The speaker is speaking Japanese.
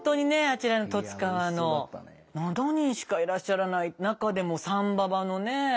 あちらの十津川の７人しかいらっしゃらない中でも三婆のね